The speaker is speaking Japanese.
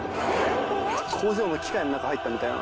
工場の機械の中入ったみたいな。